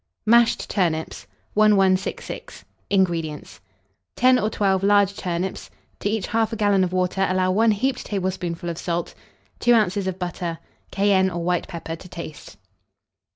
MASHED TURNIPS. 1166. INGREDIENTS. 10 or 12 large turnips; to each 1/2 gallon of water allow 1 heaped tablespoonful of salt, 2 oz. of butter, cayenne or white pepper to taste.